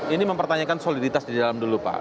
ini mempertanyakan soliditas di dalam dulu pak